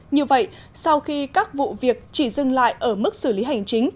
như vậy sau khi các vụ việc chỉ dừng lại ở mức xử lý hành chính